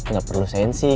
gak perlu sensi